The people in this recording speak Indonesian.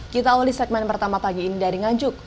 kita awali segmen pertama pagi ini dari nganjuk